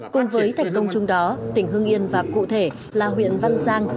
cùng với thành công chung đó tỉnh hương yên và cụ thể là huyện văn giang